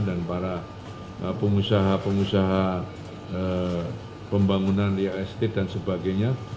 dan para pengusaha pengusaha pembangunan iast dan sebagainya